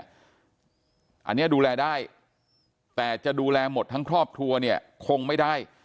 อันนี้ดูแลได้แต่จะดูแลหมดทั้งครอบครัวเนี่ยคงไม่ได้